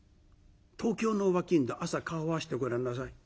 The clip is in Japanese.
東京のお商人は朝顔を合わしてごらんなさい。